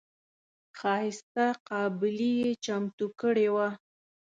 ښایسته قابلي یې چمتو کړې وه.